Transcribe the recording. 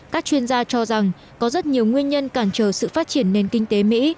các chuyên gia cho rằng có rất nhiều nguyên nhân cản trở sự phát triển nền kinh tế mỹ